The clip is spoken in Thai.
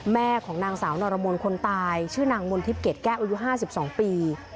แม่ของนางสาวนรมนคนตายชื่อนางมนทิพยเกรดแก้วอายุ๕๒ปี